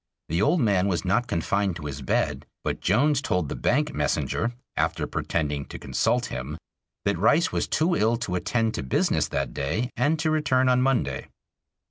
The old man was not confined to his bed, but Jones told the bank messenger, after pretending to consult him, that Rice was too ill to attend to business that day and to return on Monday.